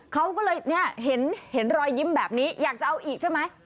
เขาก็เลยเนี่ยเห็นรอยยิ้มแบบนี้อยากจะเอาอีกใช่ไหม